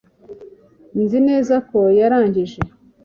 Nzi neza ko yarangije